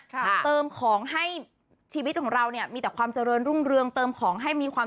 เติมของให้ชีวิตของเราเนี่ยมีแต่ความเจริญรุ่งเรืองเติมของให้มีความ